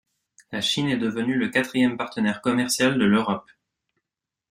La Chine est devenue le quatrième partenaire commercial de l'Europe.